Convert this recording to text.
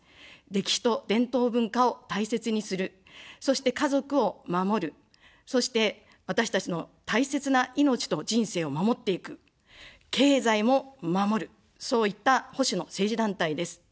歴史と伝統文化を大切にする、そして家族を守る、そして私たちの大切な命と人生を守っていく、経済も守る、そういった保守の政治団体です。